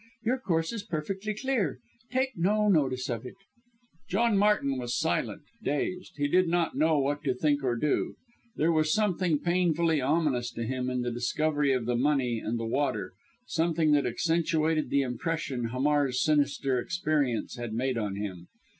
Your course is perfectly clear take no notice of it." John Martin was silent dazed. He did not know what to think or do! There was something painfully ominous to him in the discovery of the money and the water something that accentuated the impression Hamar's sinister appearance had made on him.